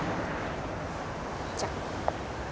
じゃあ。